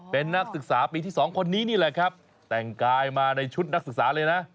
เป็นนักศึกษาปีที่๒คนนี้นี่แหละครับแต่งกายมาในชุดนักศึกษาเลยนะ